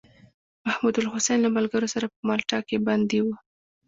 محمودالحسن له ملګرو سره په مالټا کې بندي و.